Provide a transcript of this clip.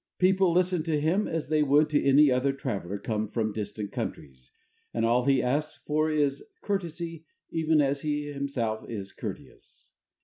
People listen to him as they would to any other traveller come from distant countries, and all he asks for is courtesy even as he himself is courteous.